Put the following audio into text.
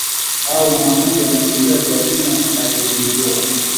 au maamuzi yanayotolewa kwa jina la cote de voire